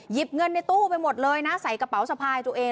เงินในตู้ไปหมดเลยนะใส่กระเป๋าสะพายตัวเอง